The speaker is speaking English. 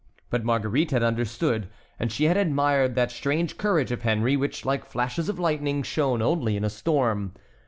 But Marguerite had understood, and she had admired that strange courage of Henry which, like flashes of lightning, shone only in a storm.